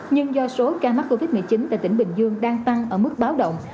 nhưng do số ca mắc covid một mươi chín tại tỉnh bình dương đang tăng ở mức báo động